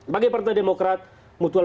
bagi partai demokrat mutual